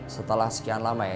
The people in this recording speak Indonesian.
setelah sekian lama ya